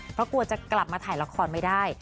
เพราะกลัวจะกลับมาถ่ายละครไม่ได้